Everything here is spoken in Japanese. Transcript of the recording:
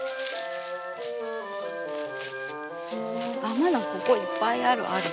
まだここいっぱいあるある。